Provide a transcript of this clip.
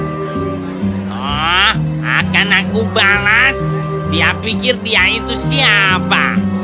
toh akan aku balas dia pikir dia itu siapa